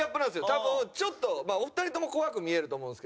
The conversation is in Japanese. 多分ちょっとまあお二人とも怖く見えると思うんですけど。